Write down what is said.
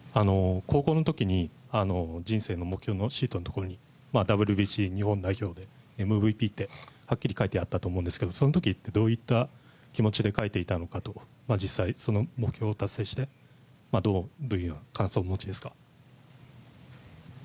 高校の時に人生の目標シートのところにＷＢＣ日本代表でＭＶＰってはっきり書いてあったと思うんですがその時ってどういう気持ちで書いていたのかと実際、その目標を達成してどのような感想をお持ちですか？